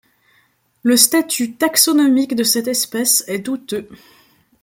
Le statut taxonomique de cette espèce est douteux.